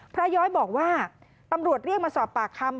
ย้อยบอกว่าตำรวจเรียกมาสอบปากคำ